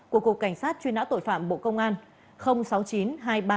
của cục cảnh sát chuyên nã tội phạm bộ công an